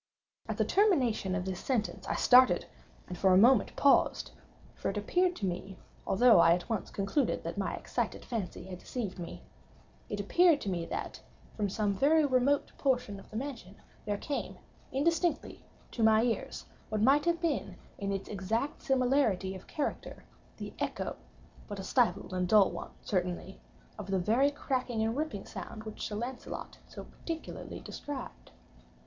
At the termination of this sentence I started, and for a moment, paused; for it appeared to me (although I at once concluded that my excited fancy had deceived me)—it appeared to me that, from some very remote portion of the mansion, there came, indistinctly, to my ears, what might have been, in its exact similarity of character, the echo (but a stifled and dull one certainly) of the very cracking and ripping sound which Sir Launcelot had so particularly described.